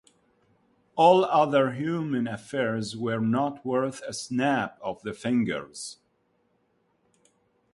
All other human affairs were not worth a snap of the fingers.